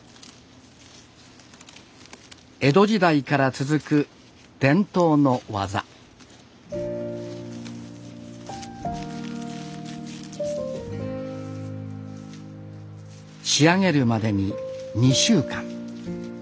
江戸時代から続く伝統の技仕上げるまでに２週間。